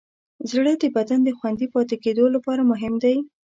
زړه د بدن د خوندي پاتې کېدو لپاره مهم دی.